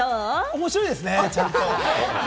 面白いですね、ちゃんと。